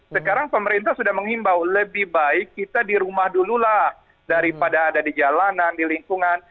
sekarang pemerintah sudah mengimbau lebih baik kita di rumah dulu lah daripada ada di jalanan di lingkungan